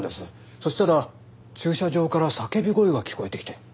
そしたら駐車場から叫び声が聞こえてきて。